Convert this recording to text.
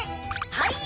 はい！